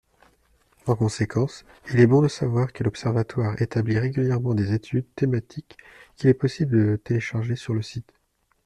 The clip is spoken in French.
En conséquence, il est bon de savoir que l’Observatoire établit régulièrement des études thématiques qu’il est possible de télécharger sur le site.